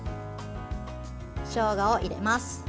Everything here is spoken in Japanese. しょうがを入れます。